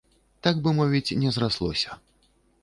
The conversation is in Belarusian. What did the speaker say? Так бы мовіць, не зраслося.